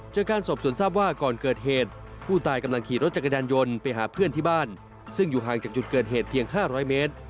จากการสอบสวนทราบว่าก่อนเกิดเหตุผู้ตายกำลังขี่รถจักรยานยนต์ไปหาเพื่อนที่บ้านซึ่งอยู่ห่างจากจุดเกิดเหตุเพียง๕๐๐เมตร